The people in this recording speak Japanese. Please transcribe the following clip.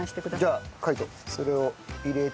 じゃあ海人それを入れて。